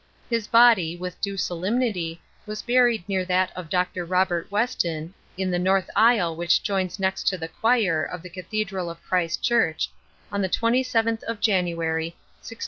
His body, with due solemnity, was buried near that of Dr. Robert Weston, in the north aisle which joins next to the choir of the cathedral of Christ Church, on the 27th of January 1639 40.